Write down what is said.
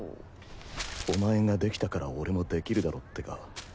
お前ができたから俺もできるだろってか？